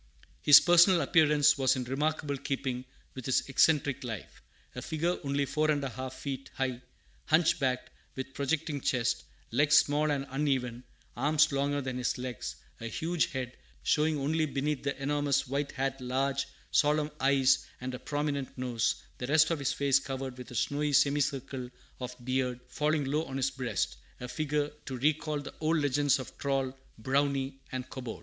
His personal appearance was in remarkable keeping with his eccentric life. A figure only four and a half feet high, hunchbacked, with projecting chest, legs small and uneven, arms longer than his legs; a huge head, showing only beneath the enormous white hat large, solemn eyes and a prominent nose; the rest of his face covered with a snowy semicircle of beard falling low on his breast, a figure to recall the old legends of troll, brownie, and kobold.